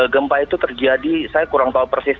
gempa itu terjadi saya kurang tahu persis